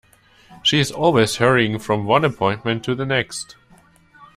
She is always hurrying from one appointment to the next.